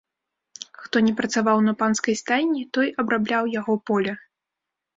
Хто не працаваў на панскай стайні, той абрабляў яго поле.